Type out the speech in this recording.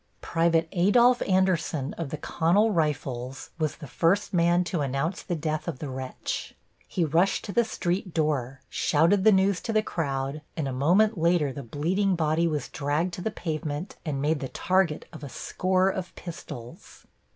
Private Adolph Anderson of the Connell Rifles was the first man to announce the death of the wretch. He rushed to the street door, shouted the news to the crowd, and a moment later the bleeding body was dragged to the pavement and made the target of a score of pistols.